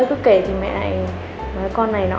cứ kể thì mẹ lại nói con này nọ ấy